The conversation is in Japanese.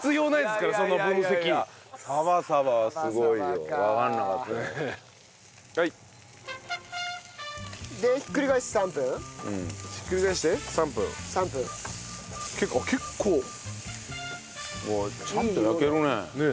すごいちゃんと焼けるね。